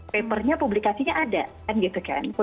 papernya publikasinya ada kan gitu kan